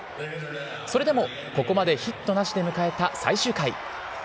それでもここまでヒットなしで迎えた最終回。